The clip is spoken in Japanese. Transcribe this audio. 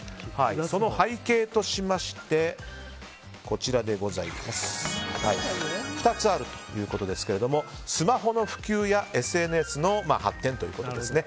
その背景としまして２つあるということですがスマホの普及やＳＮＳの発展ということですね。